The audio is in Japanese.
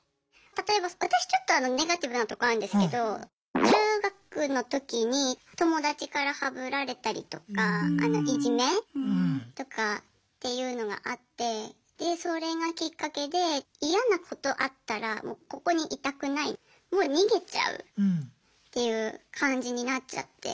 例えば私ちょっとネガティブなとこあるんですけど中学の時に友達からハブられたりとかいじめとかっていうのがあってでそれがきっかけで嫌なことあったらもうここにいたくないもう逃げちゃうっていう感じになっちゃって。